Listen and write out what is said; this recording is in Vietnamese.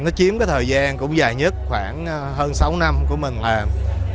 nó chiếm cái thời gian cũng dài nhất khoảng hơn sáu năm của mình làm